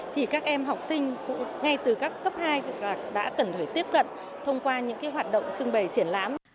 thì các em học sinh ngay từ các cấp hai đã cần phải tiếp cận thông qua những cái hoạt động trưng bày triển lãm